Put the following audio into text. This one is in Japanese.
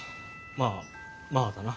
まあまあだな。